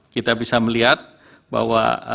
kita bisa melihat bahwa